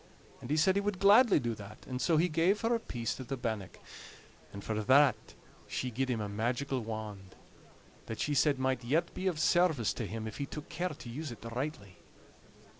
And he said he would gladly do that, and so he gave her a piece of the bannock; and for that she gied him a magical wand, that she said might yet be of service to him if he took care to use it rightly.